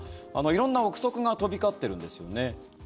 色んな臆測が飛び交っているんですよね。